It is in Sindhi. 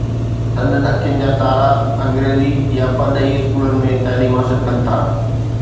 سندن اکين جا تارا انگريزي يا پرڏيهي اسڪولن ۾ تعليم حاصل ڪن ٿا.